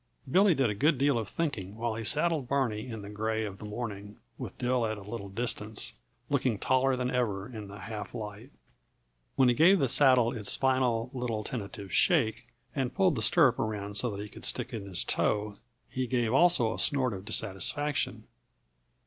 Billy did a good deal of thinking while he saddled Barney in the gray of the morning, with Dill at a little distance, looking taller than ever in the half light. When he gave the saddle its final, little tentative shake and pulled the stirrup around so that he could stick in his toe, he gave also a snort of dissatisfaction.